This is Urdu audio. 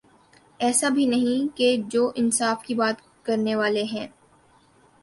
ایسے بھی کم نہیں جو انصاف کی بات کرنے والے ہیں۔